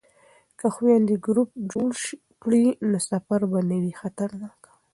که خویندې ګروپ جوړ کړي نو سفر به نه وي خطرناک.